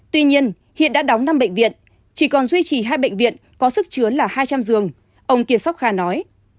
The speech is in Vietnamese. tuy nhiên hiện đã đóng năm bệnh viện chỉ còn duy trì hai bệnh viện có sức chứa là hai trăm linh giường ông kiệt sóc kha nói